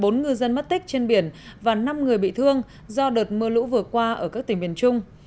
bốn ngư dân mất tích trên biển và năm người bị thương do đợt mưa lũ vừa qua ở các tỉnh miền trung